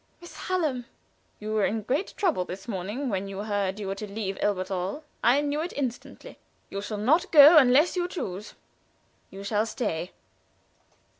"Miss Hallam " "You were in great trouble this morning when you heard you were to leave Elberthal. I knew it instantly. However, you shall not go unless you choose. You shall stay."